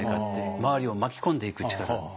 周りを巻き込んでいく力。